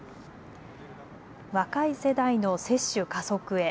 若い世代の接種加速へ。